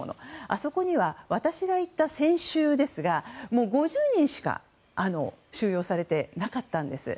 あそこには私が行った先週ですがもう５０人しか収容されていなかったんです。